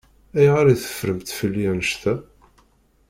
Ayɣer i teffremt fell-i annect-a?